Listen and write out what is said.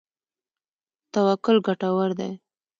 توکل ګټور دی.